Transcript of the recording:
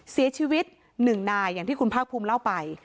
เสียชีวิต๑นายอย่างที่คุณภาคภูมิเล่าไป